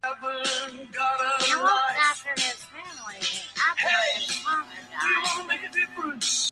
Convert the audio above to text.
He looked after his family after his father died.